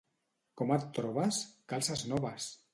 —Com et trobes? —Calces noves!